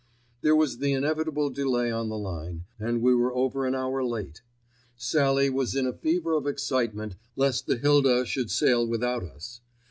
There was the inevitable delay on the line, and we were over an hour late. Sallie was in a fever of excitement lest the Hilda should sail without us.